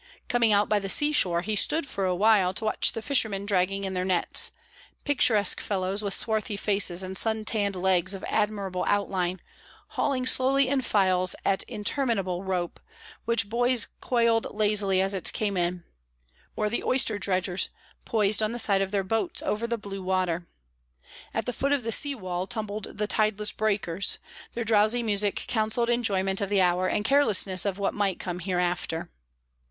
Coming out by the sea shore, he stood for a while to watch the fishermen dragging in their nets picturesque fellows with swarthy faces and suntanned legs of admirable outline, hauling slowly in files at interminable rope, which boys coiled lazily as it came in; or the oyster dredgers, poised on the side of their boats over the blue water. At the foot of the sea wall tumbled the tideless breakers; their drowsy music counselled enjoyment of the hour and carelessness of what might come hereafter.